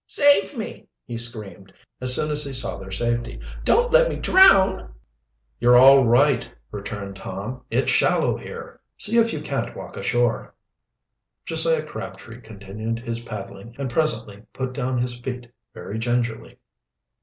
"Save me!" he screamed, as soon as he saw their safety. "Don't let me drown!" "You're all right," returned Tom. "It's shallow here. See if you can't walk ashore." Josiah Crabtree continued his paddling, and presently put down his feet very gingerly.